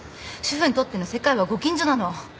主婦にとっての世界はご近所なの。